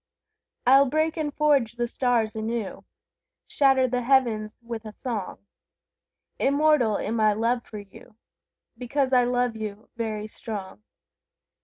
I'll break and forge the stars anew, Shatter the heavens with a song; Immortal in my love for you, Because I love you, very strong.